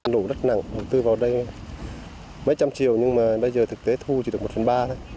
nổ rất nặng đầu tư vào đây mấy trăm triệu nhưng mà bây giờ thực tế thu chỉ được một phần ba thôi